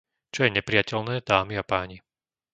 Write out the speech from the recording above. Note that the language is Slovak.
Čo je neprijateľné, dámy a páni...